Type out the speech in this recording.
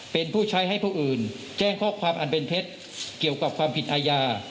เป็นผู้ใช้ให้ผู้อื่นแจ้งข้อความอันเป็นเท็จเกี่ยวกับความผิดอาญา